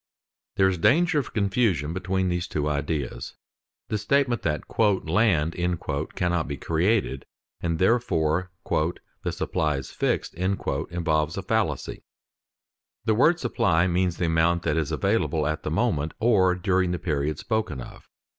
_ There is danger of confusion between these two ideas. The statement that "land" cannot be created and that therefore "the supply is fixed" involves a fallacy. The word supply means the amount that is available at the moment or during the period spoken of.